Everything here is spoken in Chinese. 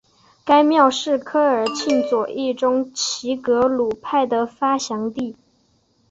该庙是科尔沁左翼中旗格鲁派的发祥地。